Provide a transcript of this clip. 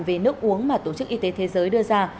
về nước uống mà tổ chức y tế thế giới đưa ra